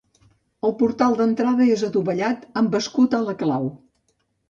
El portal d'entrada és adovellat amb escut a la clau.